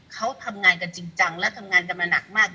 เขาทำงานกันจริงจังและทำงานกันมาหนักมาก